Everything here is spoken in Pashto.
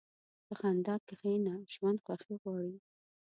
په خندا کښېنه، ژوند خوښي غواړي.